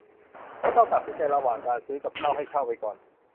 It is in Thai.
ถ้าต้องตัดสินใจระหว่างการซื้อกับเช่าให้เช่าไปก่อน